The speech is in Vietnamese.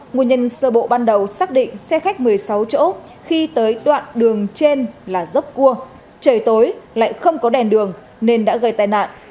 nguồn nhân sơ bộ ban đầu xác định xe khách một mươi sáu chỗ khi tới đoạn đường trên là dốc cua trời tối lại không có đèn đường nên đã gây tai nạn